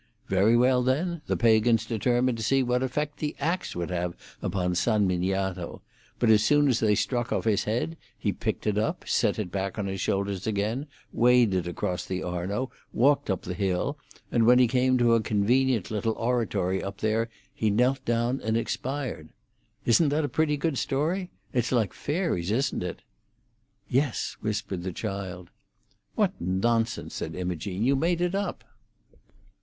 Very well, then; the pagans determined to see what effect the axe would have upon San Miniato: but as soon as they struck off his head he picked it up, set it back on his shoulders again, waded across the Arno, walked up the hill, and when he came to a convenient little oratory up there he knelt down and expired. Isn't that a pretty good story? It's like fairies, isn't it?" "Yes," whispered the child. "What nonsense!" said Imogene. "You made it up."